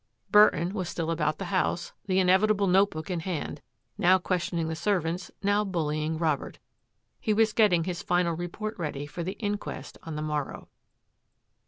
Burton was still about the house, the inevitable notebook in hand, now questioning the servants, now bullying Robert. He was getting his final report ready for the inquest on the morrow.